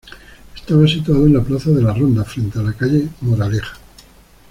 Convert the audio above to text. Estaba situada en la plaza de la Ronda, frente a calle Moraleja.